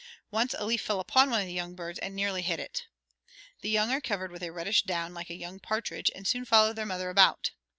Once a leaf fell upon one of the young birds and nearly hid it. The young are covered with a reddish down like a young partridge, and soon follow their mother about.